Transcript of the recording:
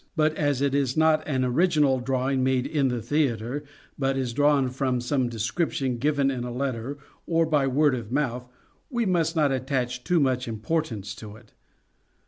But as it is not an original drawing made in the theatre, but is drawn from some description given in a letter or by word of mouth, we must not attach too much importance to it.